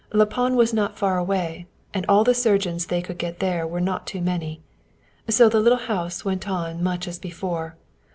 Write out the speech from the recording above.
La Panne was not far away, and all the surgeons they could get there were not too many. So the little house went on much as before.